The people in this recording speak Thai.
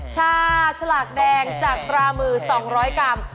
ชาฉลากแดงจากตรามือ๒๐๐กรัม